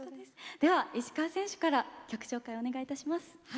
では、石川選手から曲紹介、お願いします。